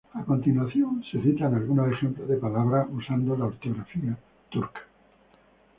A continuación se citan algunos ejemplos de palabras, usando la ortografía turca.